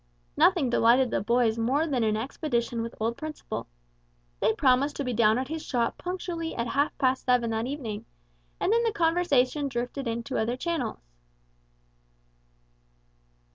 Nothing delighted the boys more than an expedition with old Principle. They promised to be down at his shop punctually at half past seven that evening, and then the conversation drifted into other channels.